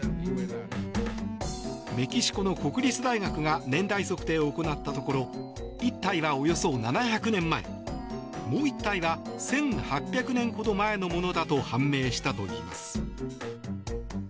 メキシコの国立大学が年代測定を行ったところ１体は、およそ７００年前もう１体は１８００年ほど前のものだと判明したといいます。